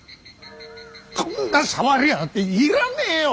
こんな触りやがって要らねえよ！